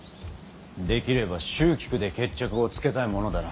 できれば蹴鞠で決着をつけたいものだな。